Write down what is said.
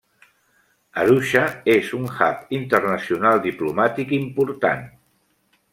Arusha és un hub internacional diplomàtic important.